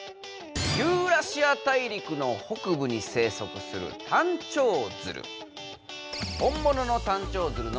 ユーラシア大陸の北部に生息するタンチョウヅル。